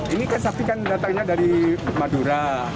ini kan sapi kan datangnya dari madura